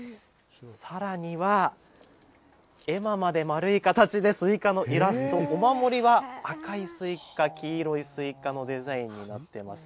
さらには、絵馬まで丸い形で、スイカのイラスト、お守りは赤いスイカ、黄色いスイカのデザインになってます。